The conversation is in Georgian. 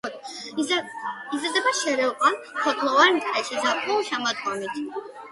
იზრდება შერეულ ან ფოთლოვან ტყეში ზაფხულ-შემოდგომით.